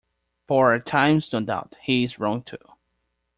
For at times, no doubt, he is wrong too.